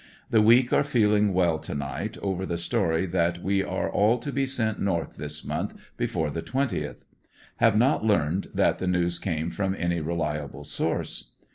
The weak are feeling well to night over the story that we are all to be sent North this month, before the 20th. Have not learned that the news came from any reliable source.